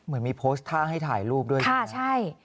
เหมือนมีโพสต์ท่าให้ถ่ายรูปด้วยใช่ไหมใช่